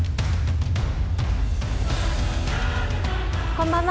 こんばんは。